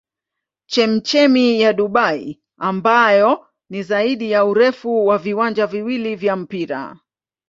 Chemchemi ya Dubai ambayo ni zaidi ya urefu wa viwanja viwili vya mpira.